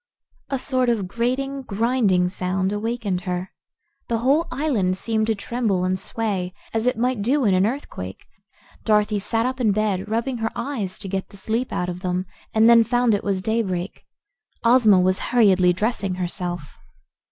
A sort of grating, grinding sound awakened her. The whole island seemed to tremble and sway, as it might do in an earthquake. Dorothy sat up in bed, rubbing her eyes to get the sleep out of them, and then found it was daybreak. Ozma was hurriedly dressing herself.